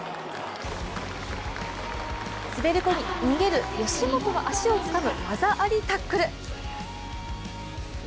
潜り込み、逃げる吉元の足をつかむ技ありタックル。